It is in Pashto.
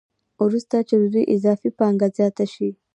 وروسته چې د دوی اضافي پانګه زیاته شي